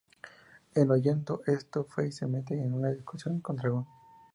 En oyendo esto, Fei se mete en una discusión con Dragón.